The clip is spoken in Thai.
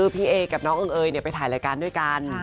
พี่เอกับน้องเอิงเอยไปถ่ายรายการด้วยกัน